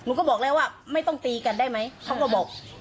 ก็บอกแล้วว่าไม่ต้องตีกันได้ไหมเขาก็บอก